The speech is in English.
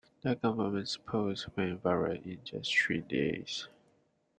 The government's post went viral in just three days.